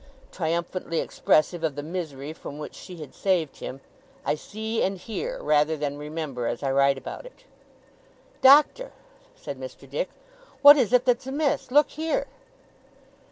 (triumphantly expressive of the misery from which she had saved him) I see and hear, rather than remember, as I write about it. 'Doctor!' said Mr. Dick. 'What is it that's amiss? Look here!